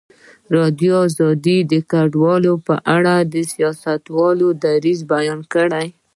ازادي راډیو د کډوال په اړه د سیاستوالو دریځ بیان کړی.